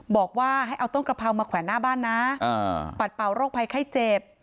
บอกว่าให้เอาต้นกระเพรามาแขวนหน้าบ้านนะปัดเป่าโรคภัยไข้เจ็บ